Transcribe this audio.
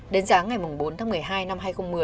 đến sáng ngày bốn tháng một mươi hai năm hai nghìn một mươi